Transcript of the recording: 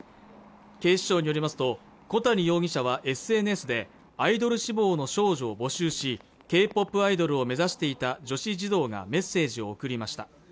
警視庁によりますと小谷容疑者はＳＮＳでアイドル志望の少女を募集しＫ−ＰＯＰアイドルを目指していた女子児童がメッセージを送りました